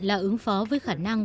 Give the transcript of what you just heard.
là ứng phó với khả năng